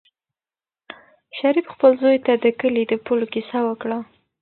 شریف خپل زوی ته د کلي د پولو کیسه وکړه.